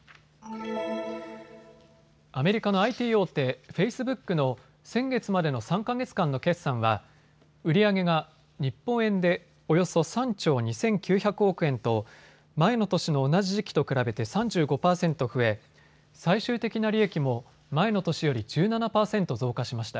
アメリカのＩＴ大手、フェイスブックの先月までの３か月間の決算は売り上げが日本円でおよそ３兆２９００億円と前の年の同じ時期と比べて３５％増え最終的な利益も前の年より１７％増加しました。